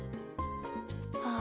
あ！